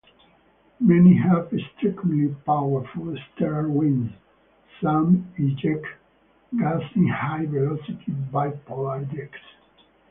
Many have extremely powerful stellar winds; some eject gas in high-velocity bipolar jets.